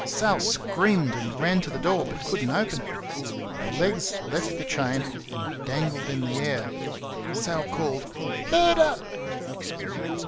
Sal screamed, and ran to the door, but could n't open it. The legs left the chain and dangled in the air. Sal called "Murder!"